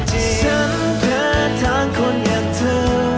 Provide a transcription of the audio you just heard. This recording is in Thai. ฉันแค่ทางคนอยากเธอ